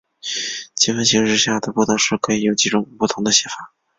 积分形式下的不等式可以有几种不同的写法。